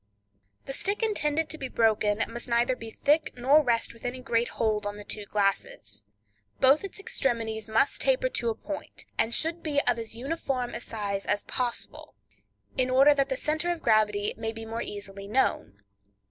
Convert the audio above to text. —The stick intended to be broken must neither be thick nor rest with any great hold on the two glasses. Both its extremities must taper to a point, and should be of as uniform a size as possible, in order that the center of gravity may be more easily known.